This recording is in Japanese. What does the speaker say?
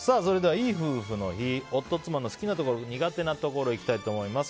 いい夫婦の日夫・妻の好きなところ・苦手なところいきたいと思います。